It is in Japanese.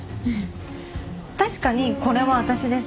確かにこれは私です。